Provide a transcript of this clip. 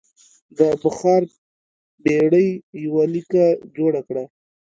د بخار بېړۍ یوه لیکه جوړه کړه.